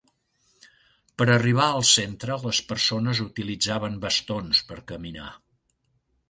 Per arribar al centre, les persones utilitzaven bastons per caminar.